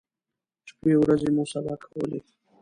شپی ورځې مو سبا کولې.